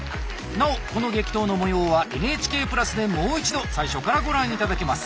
なおこの激闘のもようは「ＮＨＫプラス」でもう一度最初からご覧頂けます。